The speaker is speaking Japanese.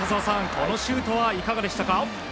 このシュートはいかがでしたか？